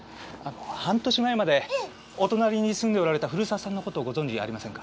半年前までお隣に住んでおられた古沢さんの事をご存じありませんか？